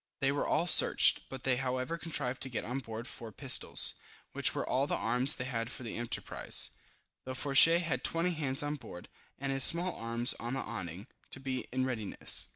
They were all searched, but they however contrived to get on board four pistols, which were all the arms they had for the enterprise, though Fourgette had 20 hands on board, and his small arms on the awning, to be in readiness.